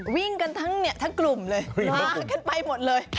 วิ่งกันทั้งกลุ่มเลยมากันไปหมดเลย